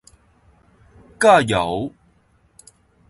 加油